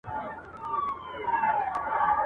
دښمن په توپو او توپکانو سخت برید وکړ.